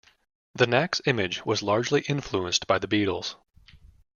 The Knack's image was largely influenced by the Beatles.